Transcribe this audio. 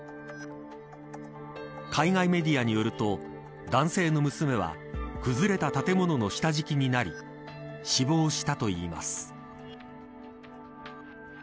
海外メディアによると男性の娘は崩れた建物の下敷きになり死亡したといいます。